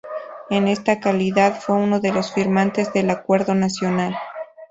En esta calidad, fue uno de los firmantes del Acuerdo Nacional.